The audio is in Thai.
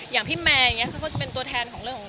อย่างพี่แมงก็จะเป็นตัวแทนของเรื่องของ